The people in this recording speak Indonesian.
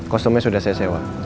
kostumnya sudah saya sewa